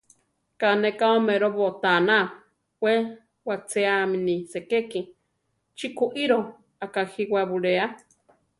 Ká ne ka oméro botána; we wachéami ni sekéki; chi kuíro akajíwa buléa.